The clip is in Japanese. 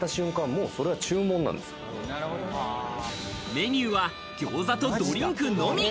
メニューはぎょうざとドリンクのみ。